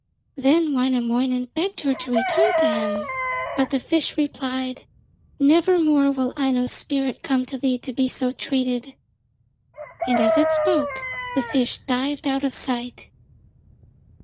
Then Wainamoinen begged her to return to him, but the fish replied: 'Nevermore will Aino's spirit come to thee to be so treated,' and as it spoke the fish dived out of sight.